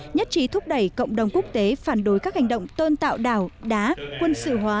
nhất trí thúc đẩy cộng đồng quốc tế phản đối các hành động tôn tạo đảo đá quân sự hóa